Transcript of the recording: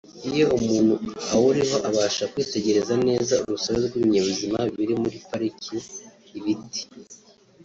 Iyo umuntu awuriho abasha kwitegereza neza urusobe rw’ibinyabuzima biri muri Pariki (ibiti